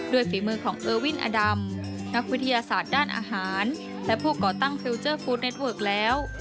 ด้วยฝีมือของเอิ้วินอดัมนักวิทยาศาสตร์ด้านอาหารและผู้ก่อตั้งแล้ว